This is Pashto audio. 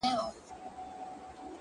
ځه پرېږده وخته نور به مي راويښ کړم ـ